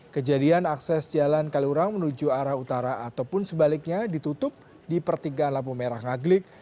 kejadian akses jalan kaliurang menuju arah utara ataupun sebaliknya ditutup di pertigaan lampu merah ngaglik